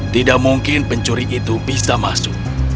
tidak mungkin pencuri itu bisa masuk